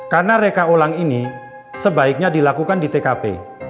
karena reka ulang ini sebaiknya dilakukan di tkp